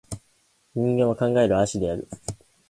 人間は考える葦である